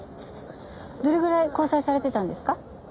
どれぐらい交際されてたんですか？